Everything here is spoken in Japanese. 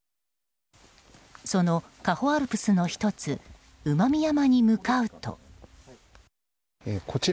その嘉穂アルプスの１つ馬見山に向かうと。